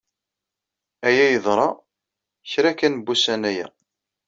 Aya yeḍra kra kan n wussan aya.